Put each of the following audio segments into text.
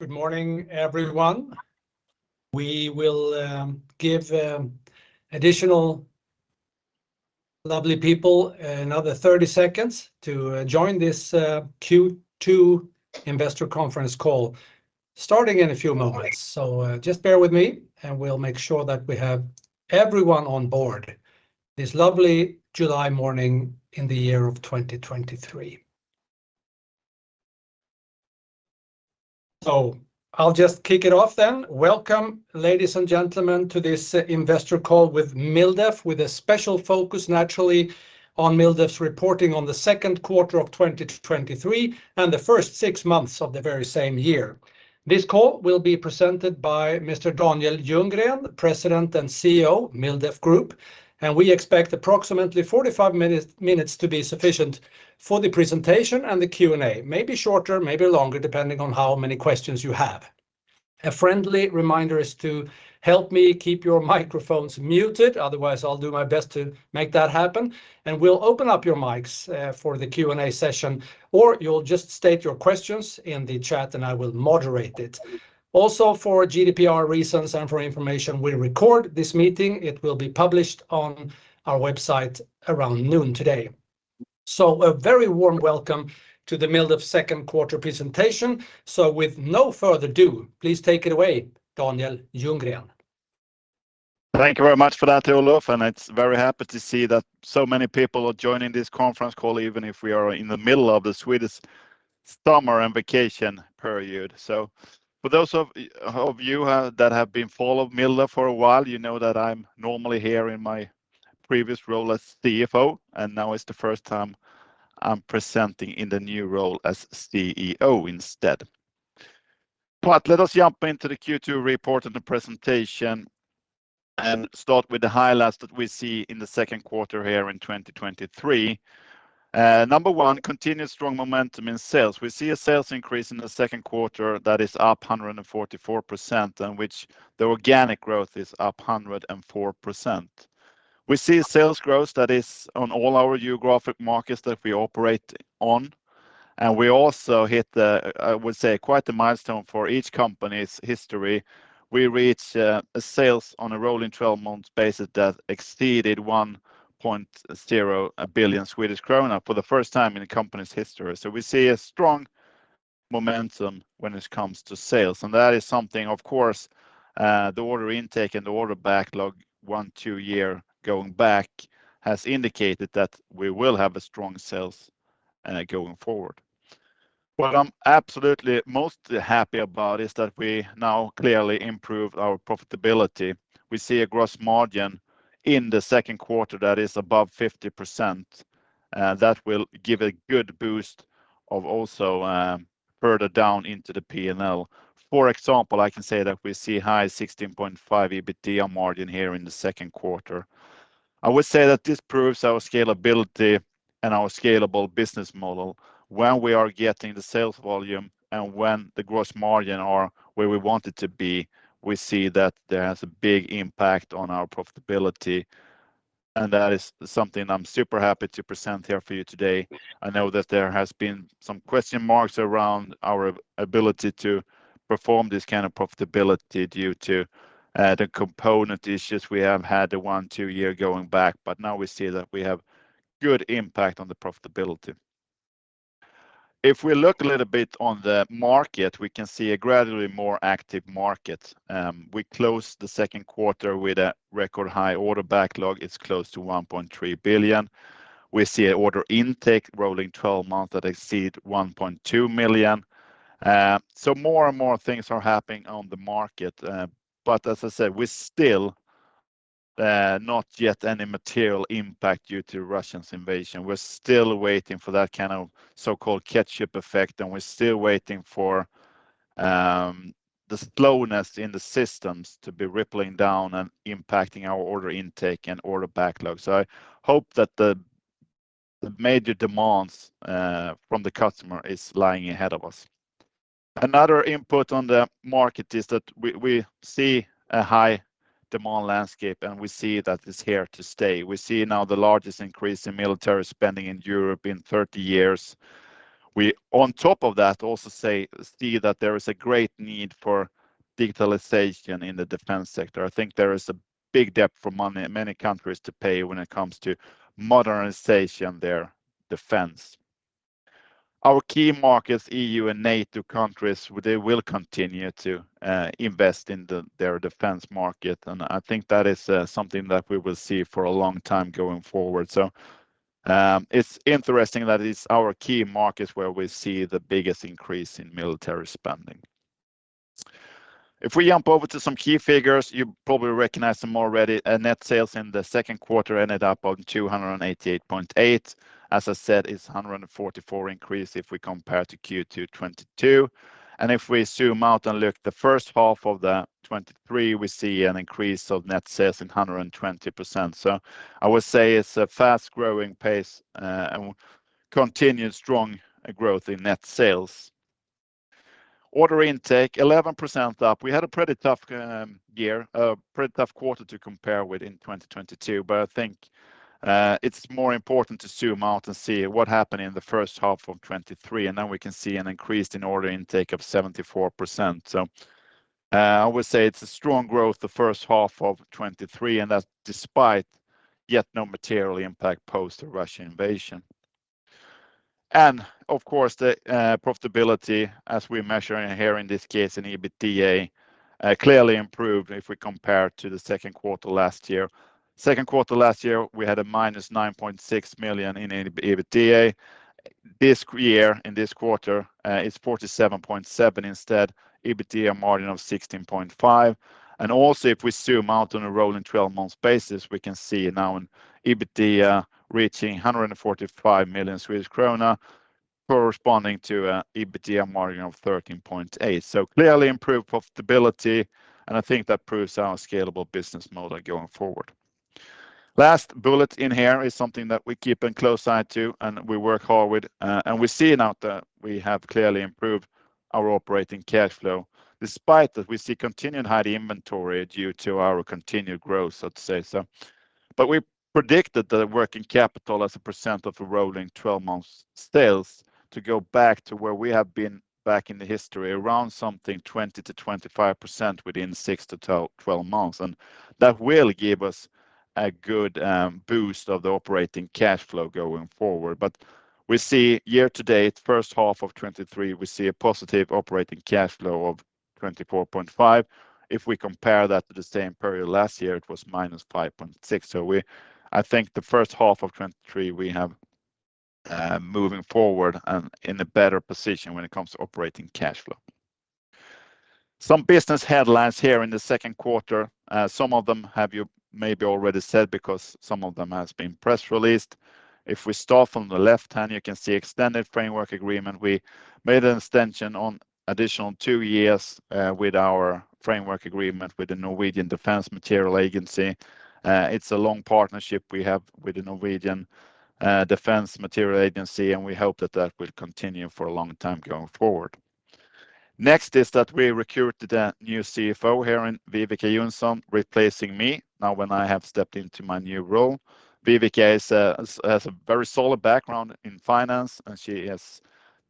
Good morning, everyone. We will give additional lovely people another 30 seconds to join this Q2 investor conference call, starting in a few moments. Just bear with me, and we'll make sure that we have everyone on board this lovely July morning in the year of 2023. I'll just kick it off then. Welcome, ladies and gentlemen, to this investor call with Mildef, with a special focus, naturally, on Mildef's reporting on the second quarter of 2023, and the first six months of the very same year. This call will be presented by Mr. Daniel Ljunggren, President and CEO, Mildef Group, and we expect approximately 45 minutes to be sufficient for the presentation and the Q&A. Maybe shorter, maybe longer, depending on how many questions you have. A friendly reminder is to help me keep your microphones muted, otherwise, I'll do my best to make that happen, and we'll open up your mics for the Q&A session, or you'll just state your questions in the chat, and I will moderate it. For GDPR reasons and for information, we record this meeting. It will be published on our website around noon today. A very warm welcome to the Mildef second quarter presentation. With no further ado, please take it away, Daniel Ljunggren. Thank you very much for that, Olof. It's very happy to see that so many people are joining this conference call, even if we are in the middle of the Swedish summer and vacation period. For those of you that have been follow Mildef for a while, you know that I'm normally here in my previous role as CFO, Now it's the first time I'm presenting in the new role as CEO instead. Let us jump into the Q2 report and the presentation. Start with the highlights that we see in the second quarter here in 2023. Number 1, continued strong momentum in sales. We see a sales increase in the second quarter that is up 144%, in which the organic growth is up 104%. We see sales growth that is on all our geographic markets that we operate on, and we also hit the, I would say, quite a milestone for each company's history. We reached a sales on a rolling 12-month basis that exceeded 1.0 billion Swedish krona for the first time in the company's history. We see a strong momentum when it comes to sales, and that is something, of course, the order intake and the order backlog, 1, 2 year going back, has indicated that we will have a strong sales going forward. What I'm absolutely most happy about is that we now clearly improved our profitability. We see a gross margin in the second quarter that is above 50%, that will give a good boost of also further down into the P&L. For example, I can say that we see high 16.5% EBITDA margin here in the second quarter. I would say that this proves our scalability and our scalable business model. When we are getting the sales volume and when the gross margin are where we want it to be, we see that there is a big impact on our profitability. That is something I'm super happy to present here for you today. I know that there has been some question marks around our ability to perform this kind of profitability due to the component issues we have had one, two year going back. Now we see that we have good impact on the profitability. If we look a little bit on the market, we can see a gradually more active market. We closed the second quarter with a record high order backlog. It's close to 1.3 billion. We see an order intake rolling 12 months that exceed 1.2 million. More and more things are happening on the market, but as I said, we're still not yet any material impact due to Russian's invasion. We're still waiting for that kind of so-called ketchup effect, and we're still waiting for the slowness in the systems to be rippling down and impacting our order intake and order backlog. I hope that the major demands from the customer is lying ahead of us. Another input on the market is that we see a high-demand landscape, and we see that it's here to stay. We see now the largest increase in military spending in Europe in 30 years. We, on top of that, also see that there is a great need for digitalization in the defense sector. I think there is a big debt for many countries to pay when it comes to modernization their defense. Our key markets, EU and NATO countries, they will continue to invest in the, their defense market, and I think that is something that we will see for a long time going forward. It's interesting that it's our key markets where we see the biggest increase in military spending. If we jump over to some key figures, you probably recognize them already. Net sales in the second quarter ended up on 288.8. As I said, it's 144% increase if we compare to Q2 '22. If we zoom out and look the first half of the '23, we see an increase of net sales in 120%. I would say it's a fast-growing pace and continued strong growth in net sales. Order intake, 11% up. We had a pretty tough year, a pretty tough quarter to compare with in 2022, but I think it's more important to zoom out and see what happened in the first half of 2023, and then we can see an increase in order intake of 74%. I would say it's a strong growth the first half of 2023, and that's despite yet no material impact post the Russia invasion. Of course, the profitability as we measure in here, in this case, in EBITDA, clearly improved if we compare to the second quarter last year. Second quarter last year, we had -9.6 million SEK in EBITDA. This year, in this quarter, it's 47.7 million SEK instead, EBITDA margin of 16.5%. If we zoom out on a rolling 12-month basis, we can see now in EBITDA, reaching 145 million Swedish krona, corresponding to a EBITDA margin of 13.8%. Clearly improved profitability, and I think that proves our scalable business model going forward. Last bullet in here is something that we keep a close eye to, and we work hard with, and we see now that we have clearly improved our operating cash flow, despite that we see continued high inventory due to our continued growth, so to say so. We predicted that the working capital as a % of a rolling 12-months sales to go back to where we have been back in the history, around something 20 to 25% within 6 to 12 months. That will give us a good boost of the operating cash flow going forward. We see year to date, first half of 2023, we see a positive operating cash flow of 24.5. If we compare that to the same period last year, it was -5.6. I think the first half of 2023, we have moving forward in a better position when it comes to operating cash flow. Some business headlines here in the second quarter. Some of them have you maybe already said, because some of them has been press released. If we start from the left-hand, you can see extended framework agreement. We made an extension on additional two years with our framework agreement with the Norwegian Defence Materiel Agency. It's a long partnership we have with the Norwegian Defence Materiel Agency, and we hope that that will continue for a long time going forward. Next is that we recruited a new CFO here in Viveca Johnsson, replacing me, now when I have stepped into my new role. Viveca has a very solid background in finance, and she has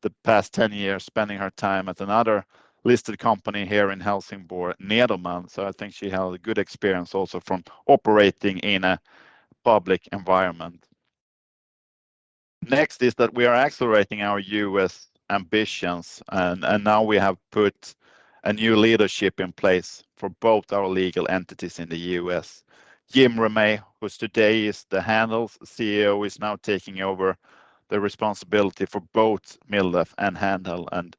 the past 10 years spending her time at another listed company here in Helsingborg, Nederman. I think she has a good experience also from operating in a public environment. Next is that we are accelerating our U.S. ambitions, and now we have put a new leadership in place for both our legal entities in the U.S. Jim Rimay, who today is the Handheld's CEO, is now taking over the responsibility for both Mildef and Handheld.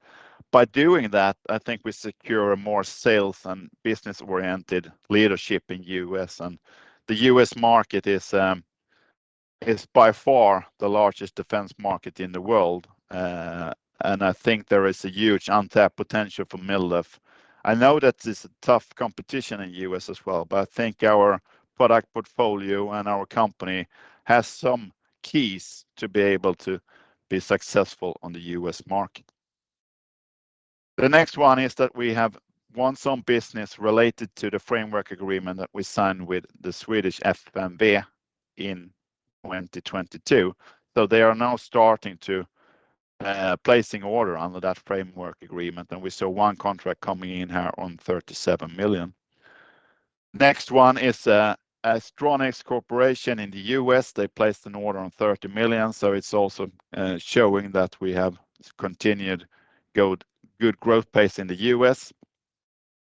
By doing that, I think we secure a more sales and business-oriented leadership in U.S. The U.S. market is by far the largest defense market in the world, and I think there is a huge untapped potential for Mildef. I know that it's a tough competition in U.S. as well, but I think our product portfolio and our company has some keys to be able to be successful on the U.S. market. The next one is that we have won some business related to the framework agreement that we signed with the Swedish FMV in 2022. They are now starting to placing order under that framework agreement, and we saw one contract coming in here on 37 million. Next one is Astronics Corporation in the U.S. They placed an order on 30 million, it's also showing that we have continued good growth pace in the U.S.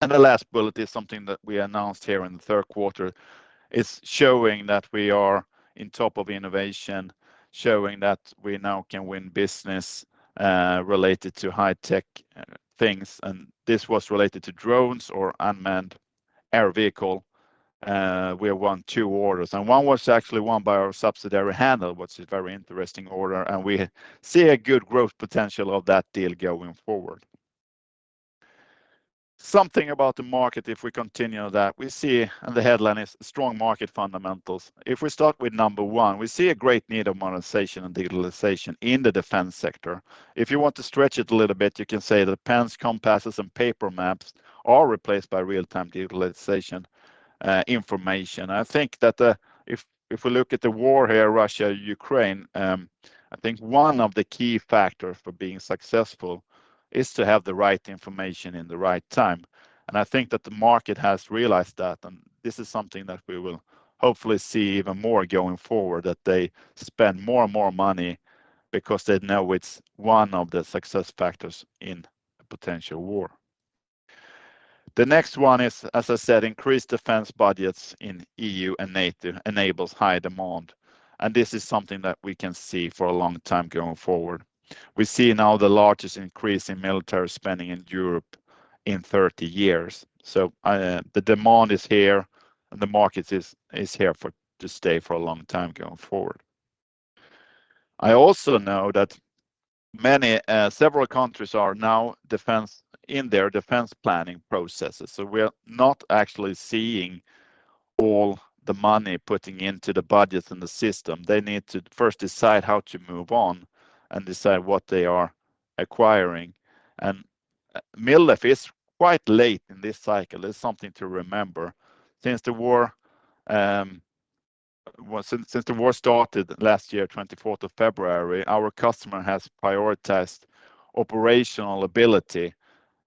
The last bullet is something that we announced here in the third quarter. It's showing that we are in top of innovation, showing that we now can win business related to high-tech things, and this was related to drones or Unmanned Aerial Vehicle. We won two orders, and one was actually won by our subsidiary, Handheld, which is a very interesting order, and we see a good growth potential of that deal going forward. Something about the market, if we continue that, we see, the headline is Strong Market Fundamentals. If we start with number one, we see a great need of modernization and digitalization in the defense sector. If you want to stretch it a little bit, you can say that pens, compasses, and paper maps are replaced by real-time digitalization, information. I think that if we look at the war here, Russia, Ukraine, I think one of the key factors for being successful is to have the right information in the right time. I think that the market has realized that, and this is something that we will hopefully see even more going forward, that they spend more and more money because they know it's one of the success factors in a potential war. The next one is, as I said, increased defense budgets in EU and NATO enables high demand, this is something that we can see for a long time going forward. We see now the largest increase in military spending in Europe in 30 years. The demand is here, and the market is here to stay for a long time going forward. I also know that many, several countries are now in their defense planning processes. We are not actually seeing all the money putting into the budget and the system. They need to first decide how to move on and decide what they are acquiring. Mildef is quite late in this cycle. It's something to remember. Since the war started last year, 24th of February, our customer has prioritized operational ability,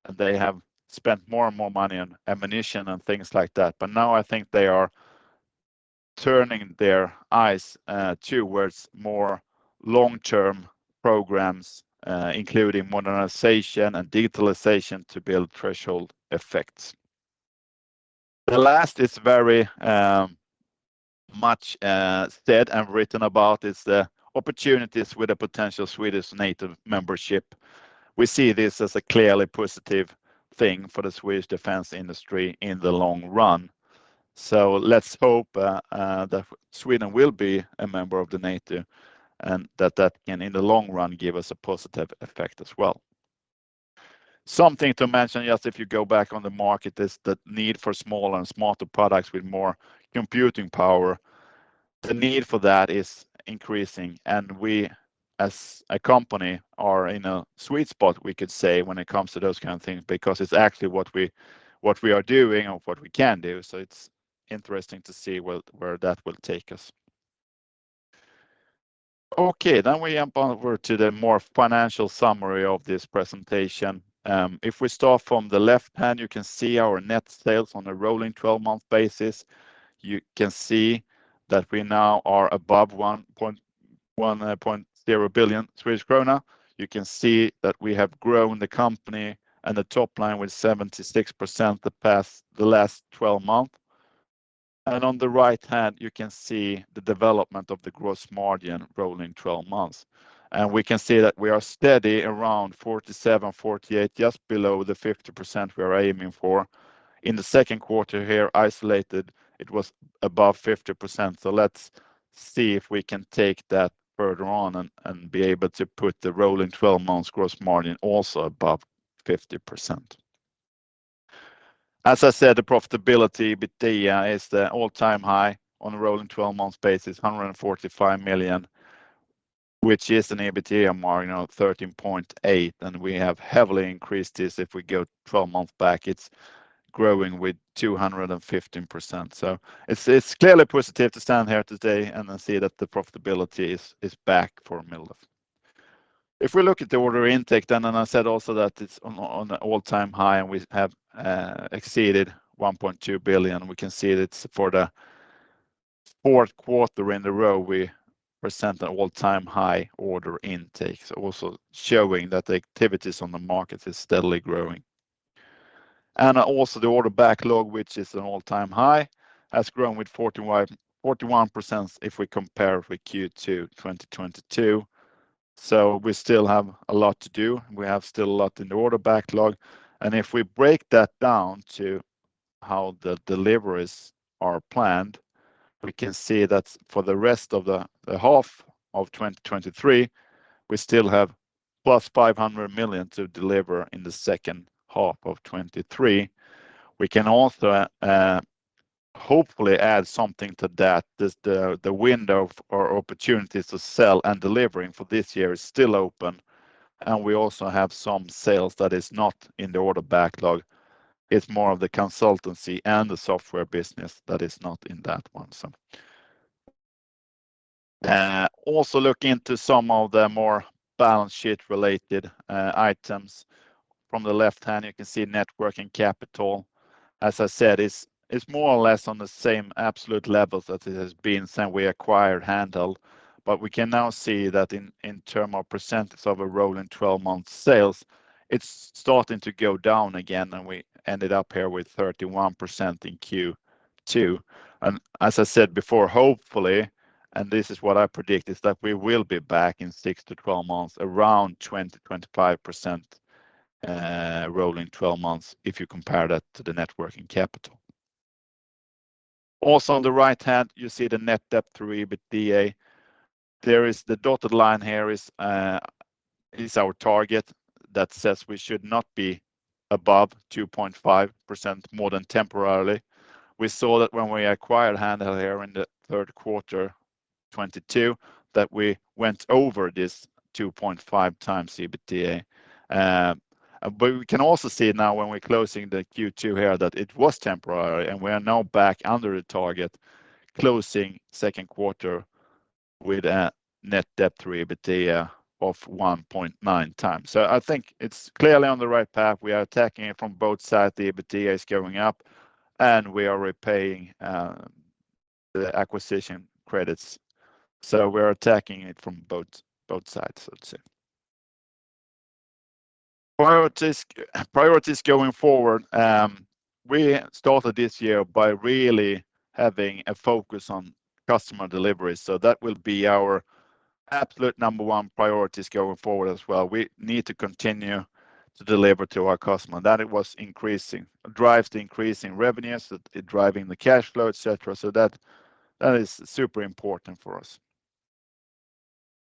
and they have spent more and more money on ammunition and things like that. Now I think they are turning their eyes towards more long-term programs, including modernization and digitalization to build threshold effects. The last is very much said and written about, is the opportunities with a potential Swedish NATO membership. We see this as a clearly positive thing for the Swedish defense industry in the long run. Let's hope that Sweden will be a member of the NATO and that that can, in the long run, give us a positive effect as well. Something to mention, just if you go back on the market, is the need for smaller and smarter products with more computing power. The need for that is increasing, and we as a company are in a sweet spot, we could say, when it comes to those kind of things, because it's actually what we are doing and what we can do. It's interesting to see where that will take us. Okay, we jump on over to the more financial summary of this presentation. If we start from the left hand, you can see our net sales on a rolling 12-month basis. You can see that we now are above 1.10 billion Swedish krona. You can see that we have grown the company and the top line with 76% the last 12 months. On the right hand, you can see the development of the gross margin rolling 12 months, and we can see that we are steady around 47%, 48%, just below the 50% we are aiming for. In the second quarter here, isolated, it was above 50%, let's see if we can take that further on and be able to put the rolling 12 months gross margin also above 50%. As I said, the profitability with the is the all-time high on a rolling 12-month basis, 145 million, which is an EBITDA margin of 13.8%, and we have heavily increased this. If we go 12 months back, it's growing with 215%. It's clearly positive to stand here today and then see that the profitability is back for Mildef. If we look at the order intake, then, and I said also that it's on an all-time high, and we have exceeded 1.2 billion. We can see it's for the fourth quarter in the row, we present an all-time high order intake. Also showing that the activities on the market is steadily growing. Also the order backlog, which is an all-time high, has grown with 41% if we compare with Q2 2022. We still have a lot to do. We have still a lot in the order backlog, and if we break that down to how the deliveries are planned, we can see that for the rest of the half of 2023, we still have +500 million to deliver in the second half of 2023. We can also, hopefully add something to that. The, the window of our opportunities to sell and delivering for this year is still open, and we also have some sales that is not in the order backlog. It's more of the consultancy and the software business that is not in that one. Also looking into some of the more balance sheet-related items. From the left hand, you can see net working capital, as I said, is more or less on the same absolute levels that it has been since we acquired Handheld. We can now see that in term of percentage of a rolling twelve-month sales, it's starting to go down again, and we ended up here with 31% in Q2. As I said before, hopefully, and this is what I predict, is that we will be back in 6 to 12 months, around 20-25% rolling twelve months, if you compare that to the net working capital. Also on the right hand, you see the net debt to EBITDA. There is the dotted line here is our target that says we should not be above 2.5% more than temporarily. We saw that when we acquired Handheld here in the third quarter 2022, that we went over this 2.5 times EBITDA. We can also see now when we're closing the Q2 here, that it was temporary, and we are now back under the target, closing second quarter with a Net Debt to EBITDA of 1.9 times. I think it's clearly on the right path. We are attacking it from both sides. The EBITDA is going up, and we are repaying the acquisition credits. We're attacking it from both sides, I'd say. Priorities going forward. We started this year by really having a focus on customer delivery, so that will be our absolute number 1 priorities going forward as well. We need to continue to deliver to our customer. That it was increasing, drives the increase in revenues, it driving the cash flow, etc., that is super important for us.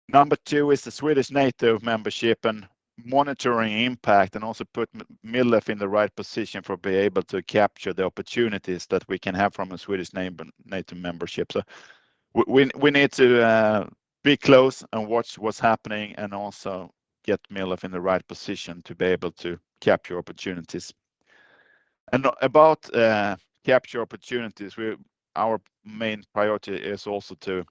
Number two is the Swedish NATO membership and monitoring impact, also put Mildef in the right position for be able to capture the opportunities that we can have from a Swedish NATO membership. We need to be close and watch what's happening, also get Mildef in the right position to be able to capture opportunities. About capture opportunities, our main priority is also to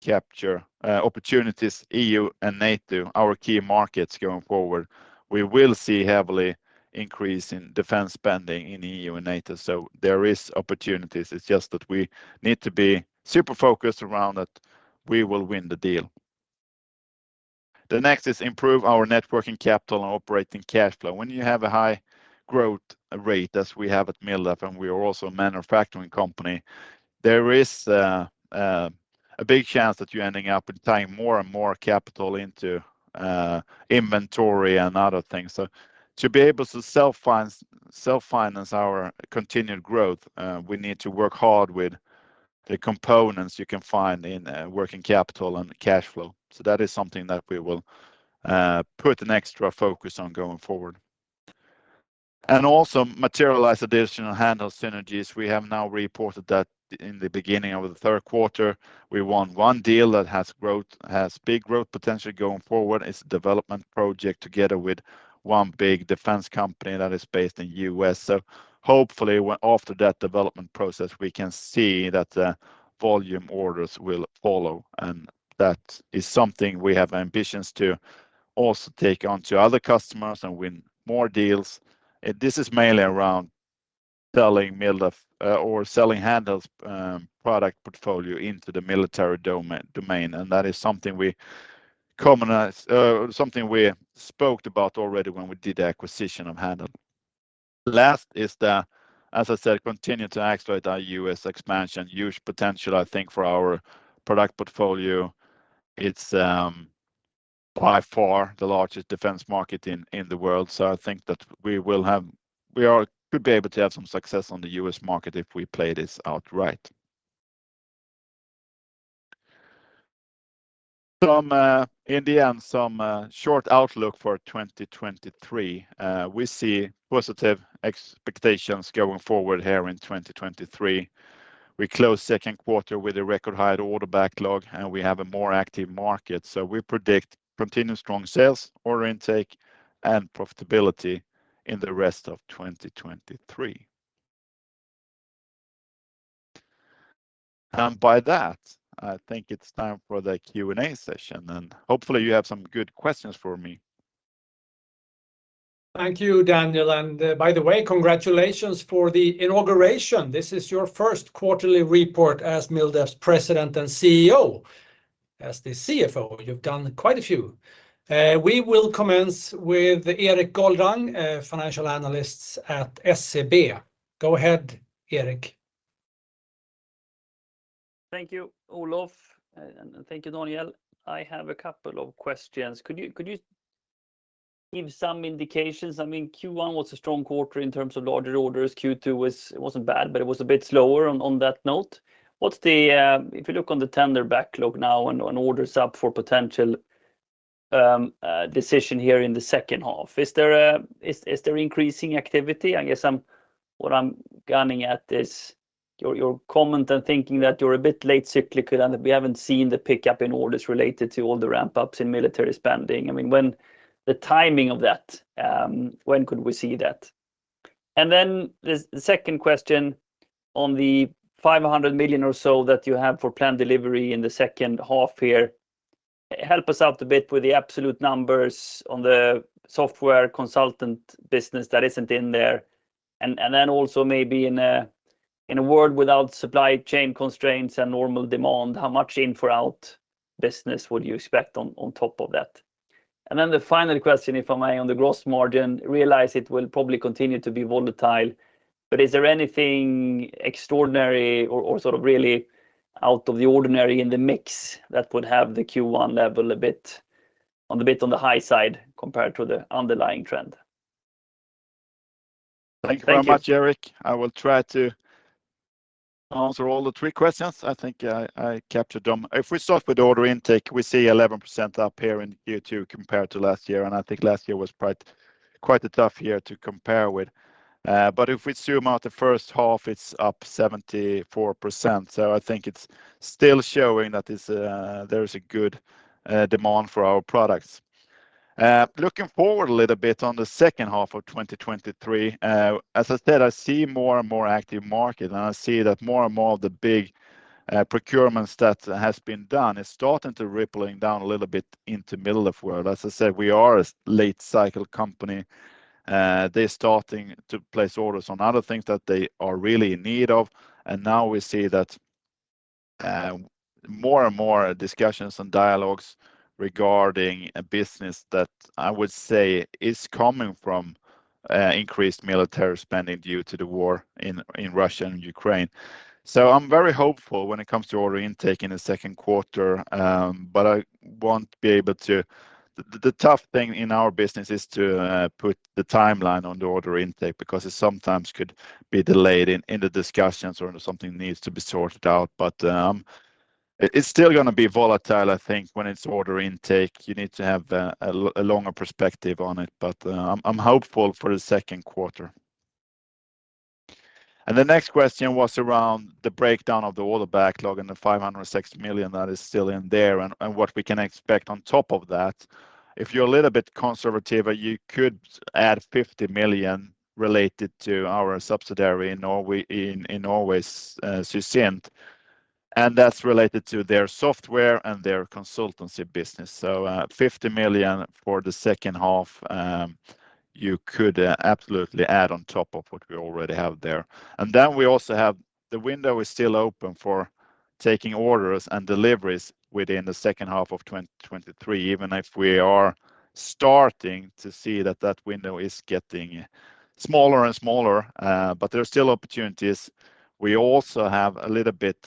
capture opportunities, EU and NATO, our key markets going forward. We will see heavily increase in defense spending in EU and NATO, there is opportunities. It's just that we need to be super focused around that we will win the deal. The next is improve our net working capital and operating cash flow. When you have a high growth rate, as we have at Mildef, and we are also a manufacturing company, there is a big chance that you're ending up tying more and more capital into inventory and other things. To be able to self-finance our continued growth, we need to work hard with the components you can find in working capital and cash flow. That is something that we will put an extra focus on going forward. Also materialize additional Handheld synergies. We have now reported that in the beginning of the third quarter, we won one deal that has big growth potential going forward. It's a development project together with one big defense company that is based in U.S. Hopefully, well, after that development process, we can see that the volume orders will follow, and that is something we have ambitions to also take on to other customers and win more deals. This is mainly around selling Mildef or selling Handheld's product portfolio into the military domain, and that is something we spoke about already when we did the acquisition of Handheld. Last is the, as I said, continue to accelerate our U.S. expansion. Huge potential, I think, for our product portfolio. It's by far the largest defense market in the world. I think that we could be able to have some success on the U.S. market if we play this out right. Some in the end, some short outlook for 2023. We see positive expectations going forward here in 2023. We closed second quarter with a record high order backlog. We have a more active market. We predict continued strong sales, order intake, and profitability in the rest of 2023. By that, I think it's time for the Q&A session, and hopefully you have some good questions for me. Thank you, Daniel. By the way, congratulations for the inauguration. This is your first quarterly report as Mildef's President and CEO. As the CFO, you've done quite a few. We will commence with Erik Göthlin, Financial Analyst at SEB. Go ahead, Erik. Thank you, Olof, and thank you, Daniel. I have a couple of questions. Could you give some indications? I mean, Q1 was a strong quarter in terms of larger orders. Q2 was, it wasn't bad, but it was a bit slower on that note. What's the, if you look on the tender backlog now and orders up for potential decision here in the second half, is there increasing activity? What I'm gunning at is your comment and thinking that you're a bit late cyclical, and we haven't seen the pickup in orders related to all the ramp-ups in military spending. I mean, when the timing of that, when could we see that? The second question on the 500 million or so that you have for planned delivery in the second half here, help us out a bit with the absolute numbers on the software consultant business that isn't in there. Also maybe in a world without supply chain constraints and normal demand, how much in for out business would you expect on top of that? The final question, if I may, on the gross margin, realize it will probably continue to be volatile, but is there anything extraordinary or sort of really out of the ordinary in the mix that would have the Q1 level a bit on the high side compared to the underlying trend? Thank you. Thank you very much, Erik. I will try to answer all the 3 questions. I think I captured them. We start with order intake, we see 11% up here in Q2 compared to last year. I think last year was quite a tough year to compare with. If we zoom out the first half, it's up 74%. I think it's still showing that there is a good demand for our products. Looking forward a little bit on the second half of 2023, as I said, I see more and more active market. I see that more and more of the big procurements that has been done is starting to rippling down a little bit into Mildef world. As I said, we are a late-cycle company. They're starting to place orders on other things that they are really in need of, and now we see that more and more discussions and dialogues regarding a business that I would say is coming from increased military spending due to the war in Russia and Ukraine. I'm very hopeful when it comes to order intake in the second quarter, but I won't be able to. The tough thing in our business is to put the timeline on the order intake because it sometimes could be delayed in the discussions or something needs to be sorted out. It's still gonna be volatile, I think, when it's order intake. You need to have a longer perspective on it, but I'm hopeful for the second quarter. The next question was around the breakdown of the order backlog and the 560 million SEK that is still in there, what we can expect on top of that. If you're a little bit conservative, you could add 50 million SEK related to our subsidiary in Norway, Sysint, and that's related to their software and their consultancy business. 50 million SEK for the second half, you could absolutely add on top of what we already have there. We also have the window is still open for taking orders and deliveries within the second half of 2023, even if we are starting to see that that window is getting smaller and smaller, but there are still opportunities. We also have a little bit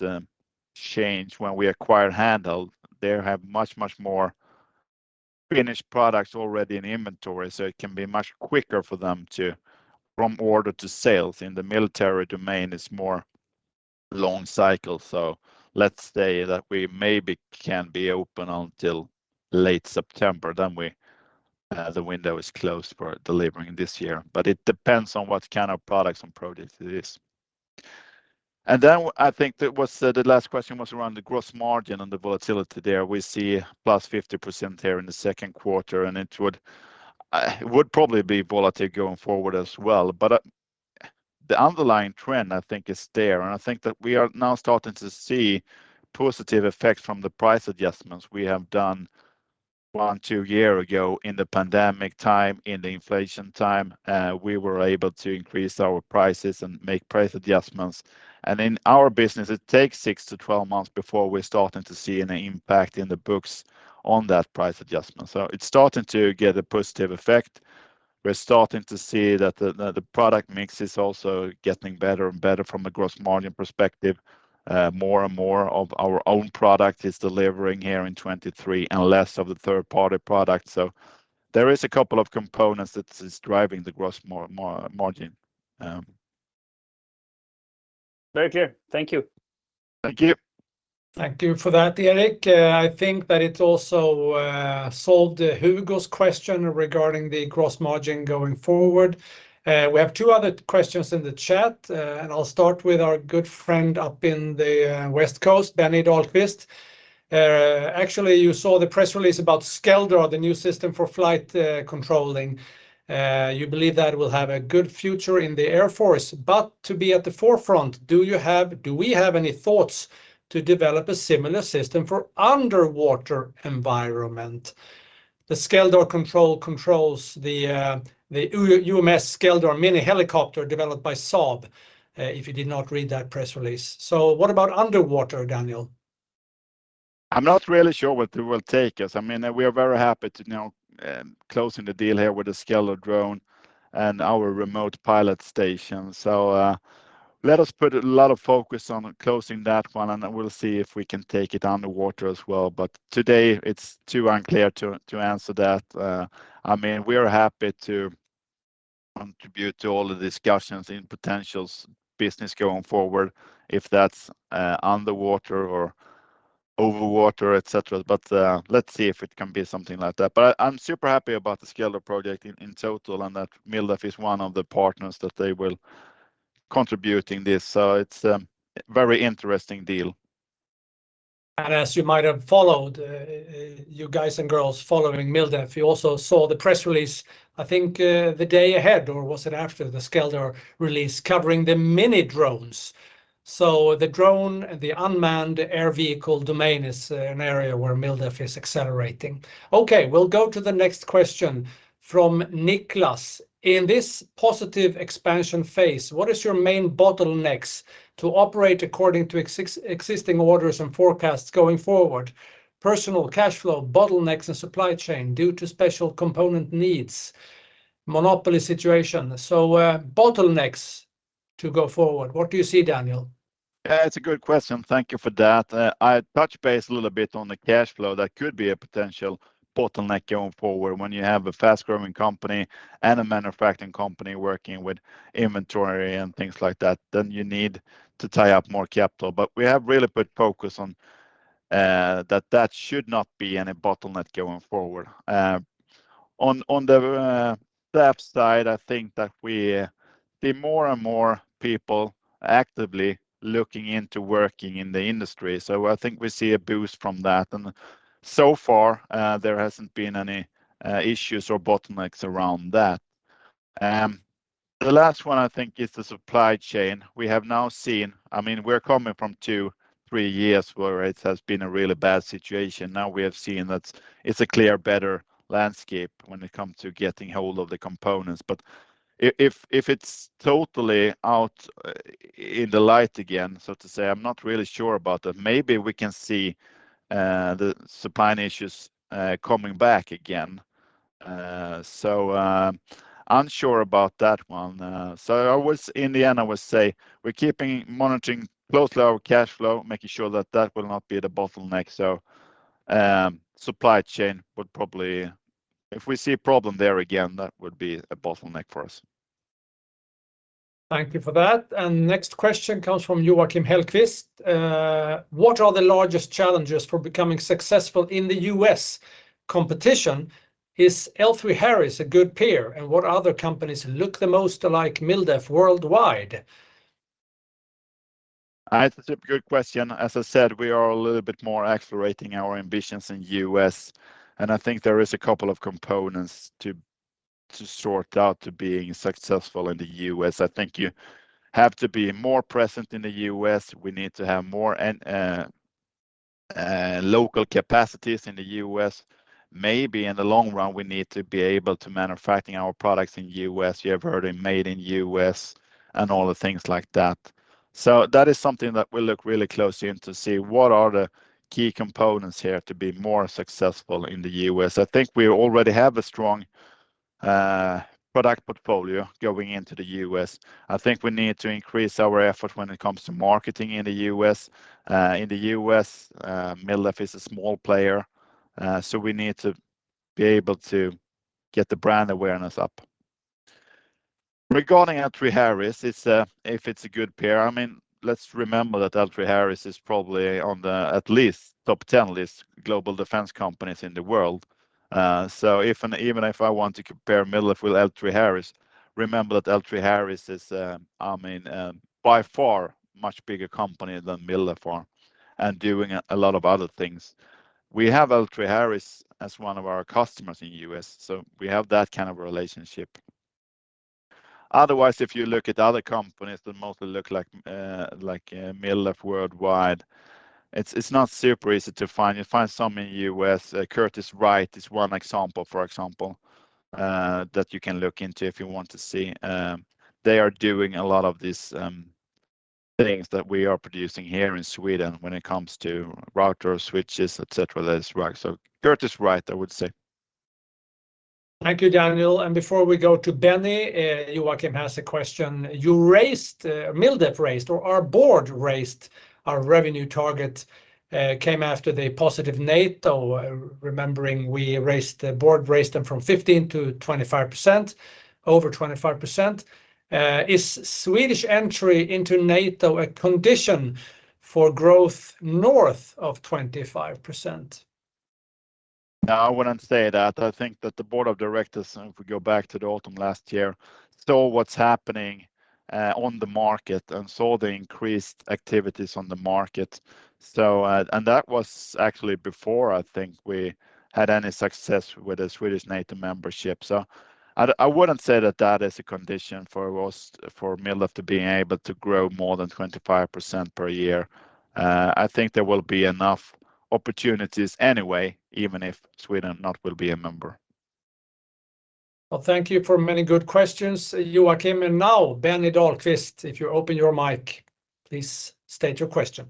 change when we acquired Handheld. They have much, much more finished products already in inventory, so it can be much quicker for them to from order to sales. In the military domain, it's more long cycle, so let's say that we maybe can be open until late September, then we, the window is closed for delivering this year. It depends on what kind of products and projects it is. Then I think the last question was around the gross margin and the volatility there. We see plus 50% there in the second quarter, and it would probably be volatile going forward as well. The underlying trend, I think, is there, and I think that we are now starting to see positive effects from the price adjustments we have done one, two year ago in the pandemic time, in the inflation time. We were able to increase our prices and make price adjustments. In our business, it takes 6-12 months before we're starting to see any impact in the books on that price adjustment. It's starting to get a positive effect. We're starting to see that the product mix is also getting better and better from a gross margin perspective. More and more of our own product is delivering here in 2023, and less of the third-party product. There is a couple of components that's, is driving the gross margin. Very clear. Thank you. Thank you. Thank you for that, Erik. I think that it also solved Hugo's question regarding the gross margin going forward. We have two other questions in the chat, and I'll start with our good friend up in the West Coast, Benny Dahl. Actually, you saw the press release about Skeldar, the new system for flight controlling. You believe that will have a good future in the Air Force, to be at the forefront, do we have any thoughts to develop a similar system for underwater environment? The Skeldar control controls the UMS Skeldar mini helicopter developed by Saab, if you did not read that press release. What about underwater, Daniel? I'm not really sure what it will take us. I mean, we are very happy to now closing the deal here with the Skeldar drone and our Remote Pilot Station. Let us put a lot of focus on closing that one, and then we'll see if we can take it underwater as well. Today, it's too unclear to answer that. I mean, we are happy to contribute to all the discussions in potentials business going forward, if that's underwater or overwater, et cetera, let's see if it can be something like that. I'm super happy about the Skeldar project in total, and that Mildef is one of the partners, that they will contribute in this. It's a very interesting deal. As you might have followed, you guys and girls following Mildef, you also saw the press release, I think, the day ahead, or was it after the Skeldar release, covering the mini drones. The drone, the Unmanned Aerial Vehicle domain, is an area where Mildef is accelerating. We'll go to the next question from Niklas: In this positive expansion phase, what is your main bottlenecks to operate according to existing orders and forecasts going forward? Personal cash flow, bottlenecks, and supply chain due to special component needs, monopoly situation. Bottlenecks to go forward, what do you see, Daniel? Yeah, it's a good question. Thank you for that. I touched base a little bit on the cash flow. That could be a potential bottleneck going forward. When you have a fast-growing company and a manufacturing company working with inventory and things like that, then you need to tie up more capital. We have really put focus on that should not be any bottleneck going forward. On the staff side, I think that we... There are more and more people actively looking into working in the industry, so I think we see a boost from that, and so far, there hasn't been any issues or bottlenecks around that. The last one, I think, is the supply chain. We have now seen. I mean, we're coming from 2, 3 years where it has been a really bad situation. We have seen that it's a clear better landscape when it comes to getting hold of the components. If it's totally out, in the light again, so to say, I'm not really sure about that. Maybe we can see the supply issues coming back again. Unsure about that one. I would, in the end, I would say we're keeping monitoring closely our cash flow, making sure that that will not be the bottleneck. Supply chain would probably, if we see a problem there again, that would be a bottleneck for us. Thank you for that. Next question comes from Joachim Hägercrantz: What are the largest challenges for becoming successful in the U.S. competition? Is L3Harris a good peer, and what other companies look the most like Mildef worldwide? I think it's a good question. As I said, we are a little bit more accelerating our ambitions in U.S. I think there is a couple of components to sort out to being successful in the U.S. I think you have to be more present in the U.S. We need to have more and local capacities in the U.S. Maybe in the long run, we need to be able to manufacturing our products in U.S. You have heard of made in U.S. and all the things like that. That is something that we'll look really closely in to see what are the key components here to be more successful in the U.S. I think we already have a strong product portfolio going into the U.S. I think we need to increase our effort when it comes to marketing in the U.S. In the U.S., Mildef is a small player. We need to be able to get the brand awareness up. Regarding L3Harris, I mean, let's remember that L3Harris is probably on the at least top 10 list global defense companies in the world. If and even if I want to compare Mildef with L3Harris, remember that L3Harris is, I mean, by far much bigger company than Mildef and doing a lot of other things. We have L3Harris as one of our customers in the U.S. We have that kind of relationship. Otherwise, if you look at other companies that mostly look like Mildef Worldwide, it's not super easy to find. You find some in the U.S. Curtiss-Wright is one example, for example, that you can look into if you want to see. They are doing a lot of these things that we are producing here in Sweden when it comes to routers, switches, et cetera. That is right. Curtiss-Wright, I would say. Thank you, Daniel. Before we go to Benny, Joachim has a question. You raised, Mildef raised or our board raised our revenue target, came after the positive NATO. Remembering we raised, the board raised them from 15% to 25%, over 25%. Is Swedish entry into NATO a condition for growth north of 25%? No, I wouldn't say that. I think that the board of directors, and if we go back to the autumn last year, saw what's happening on the market and saw the increased activities on the market. That was actually before I think we had any success with the Swedish NATO membership. I wouldn't say that that is a condition for growth, for Mildef to being able to grow more than 25% per year. I think there will be enough opportunities anyway, even if Sweden not will be a member. Well, thank you for many good questions. Joachim, and now, Benny Dahlqvist, if you open your mic, please state your question.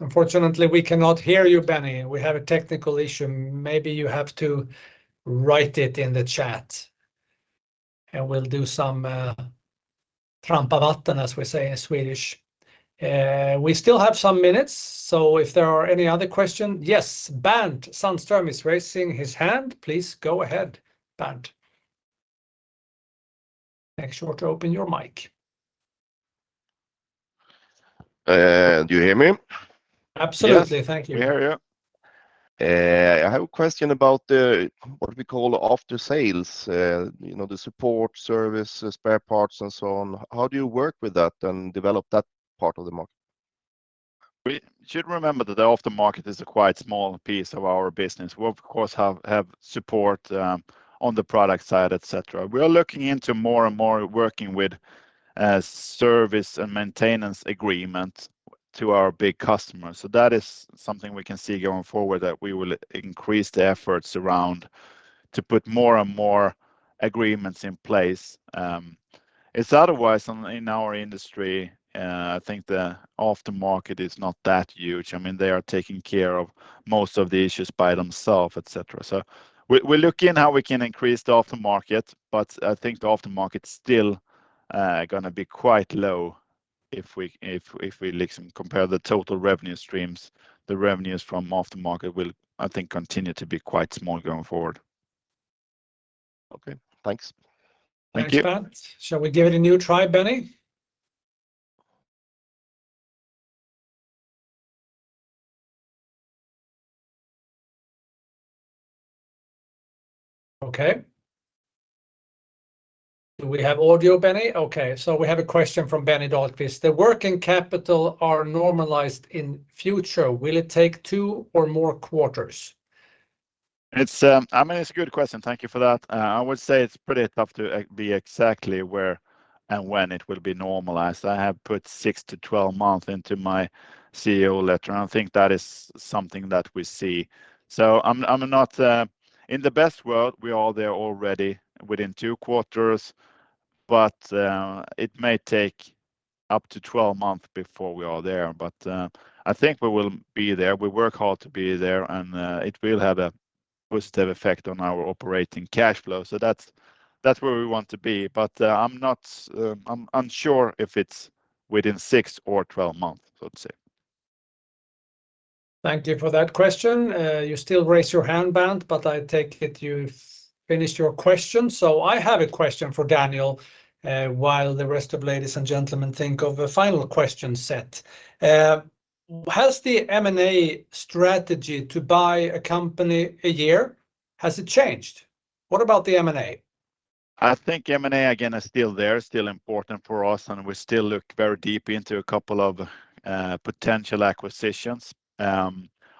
Unfortunately, we cannot hear you, Benny. We have a technical issue. Maybe you have to write it in the chat, and we'll do some, as we say in Swedish. We still have some minutes, if there are any other question. Yes, Bernt Sandström is raising his hand. Please, go ahead, Bernt. Make sure to open your mic. Do you hear me? Absolutely. Yes. Thank you. Yeah, yeah. I have a question about the, what do we call, after sales, you know, the support, service, spare parts, and so on. How do you work with that and develop that part of the market? We should remember that the aftermarket is a quite small piece of our business. We, of course, have support on the product side, et cetera. We are looking into more and more working with a service and maintenance agreement to our big customers. That is something we can see going forward, that we will increase the efforts around to put more and more agreements in place. It's otherwise on, in our industry, I think the aftermarket is not that huge. I mean, they are taking care of most of the issues by themselves, et cetera. We're looking how we can increase the after market, but I think the after market is still, gonna be quite low if we look and compare the total revenue streams, the revenues from after market will, I think, continue to be quite small going forward. Okay, thanks. Thank you. Thanks, Bernt. Shall we give it a new try, Benny? Okay. Do we have audio, Benny? Okay, we have a question from Benny Dahlqvist. The working capital are normalized in future. Will it take 2 or more quarters? It's, I mean, it's a good question. Thank you for that. I would say it's pretty tough to be exactly where and when it will be normalized. I have put 6 to 12 months into my CEO letter, and I think that is something that we see. I'm not. In the best world, we are there already within two quarters, but it may take up to 12 months before we are there. I think we will be there. We work hard to be there, and it will have a positive effect on our operating cash flow. That's where we want to be, but I'm not, I'm unsure if it's within six or 12 months, I would say. Thank you for that question. You still raise your hand, Bernt, but I take it you've finished your question. I have a question for Daniel, while the rest of ladies and gentlemen think of a final question set. Has the M&A strategy to buy a company a year, has it changed? What about the M&A? I think M&A, again, is still there, still important for us, and we still look very deep into a couple of potential acquisitions.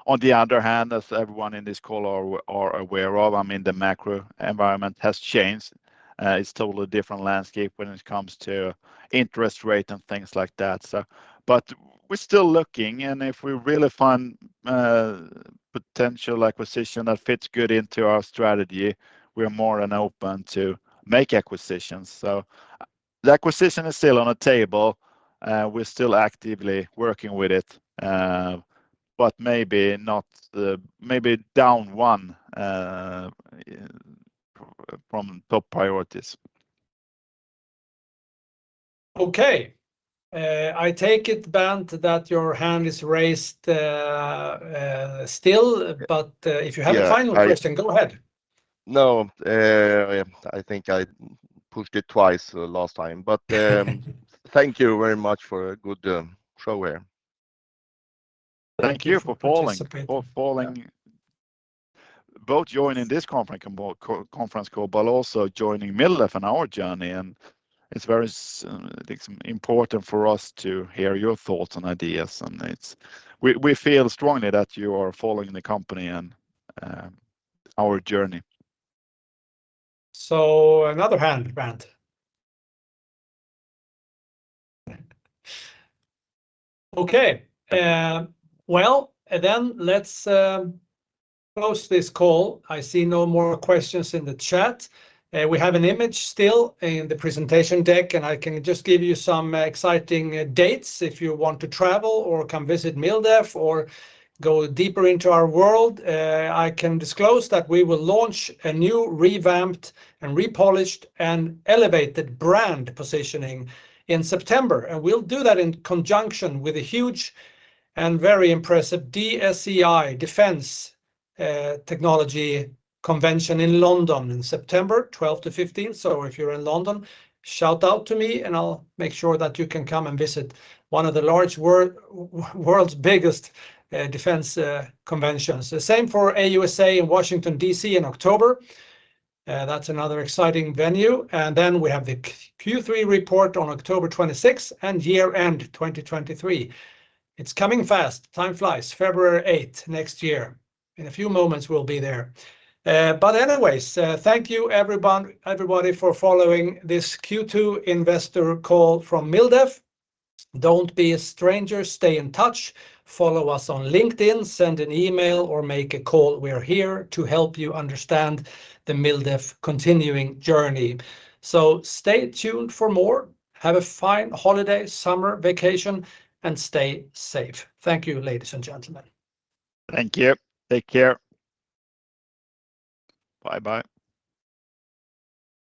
On the other hand, as everyone in this call are aware of, I mean, the macro environment has changed. It's totally different landscape when it comes to interest rate and things like that. We're still looking, and if we really find potential acquisition that fits good into our strategy, we're more than open to make acquisitions. The acquisition is still on the table, we're still actively working with it, but maybe not maybe down one from top priorities. Okay. I take it, Bernt, that your hand is raised, still, but. Yeah. If you have a final question, go ahead. No. I think I pushed it twice last time, but thank you very much for a good show here. Thank you for following- Thank you for participating.... for following. Both joining this conference call, but also joining Mildef on our journey. It's very important for us to hear your thoughts and ideas. We feel strongly that you are following the company and our journey. so another hand, Bernt. Okay. Well, let's close this call. I see no more questions in the chat. We have an image still in the presentation deck, and I can just give you some exciting dates if you want to travel or come visit Mildef or go deeper into our world. I can disclose that we will launch a new revamped and repolished and elevated brand positioning in September, and we'll do that in conjunction with a huge and very impressive DSEI Defense Technology Convention in London in September, 12th to 15th. If you're in London, shout out to me, and I'll make sure that you can come and visit one of the world's biggest defense conventions. The same for AUSA in Washington, D.C., in October. That's another exciting venue. Then we have the Q3 report on October 26, and year-end 2023. It's coming fast. Time flies. February 8, next year. In a few moments, we'll be there. But anyways, thank you, everybody for following this Q2 investor call from Mildef. Don't be a stranger. Stay in touch, follow us on LinkedIn, send an email, or make a call. We are here to help you understand the Mildef continuing journey. Stay tuned for more. Have a fine holiday, summer vacation, and stay safe. Thank you, ladies and gentlemen. Thank you. Take care. Bye bye.